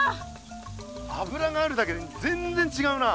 油があるだけでぜんぜんちがうな！